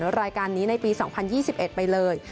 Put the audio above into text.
รายการนี้ในปี๒๐๒๑ไปเลย